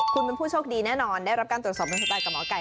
คุณเป็นผู้โชคดีแน่นอนได้รับการตรวจสอบเป็นสไตลกับหมอไก่